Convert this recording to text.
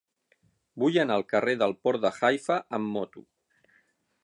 Vull anar al carrer del Port de Haifa amb moto.